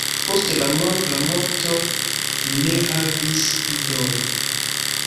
Post la morto li ne havis idojn.